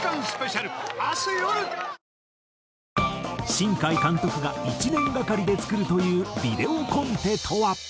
新海監督が１年がかりで作るというビデオコンテとは？